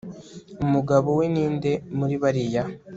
umugabo we ninde muribariya